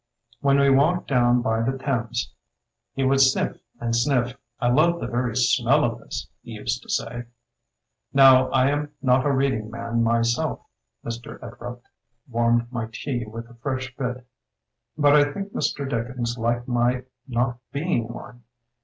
When we walked down by the Thames he would sniff and sniff — 'I love the very smell of this,' he used to say. "Now, I am not a reading man my self," Mr. Edrupt warmed my tea with a fresh bit, "but I think Mr. Dickens liked my not being one.